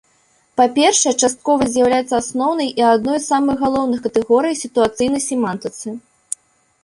Па-першае, частковасць з'яўляецца асноўнай і адной з самых галоўных катэгорый сітуацыйнай семантыцы.